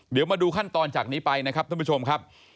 เดี๋ยวมาดูขั้นตอนจากนี้ไปนะครับท่านผู้ชมครับ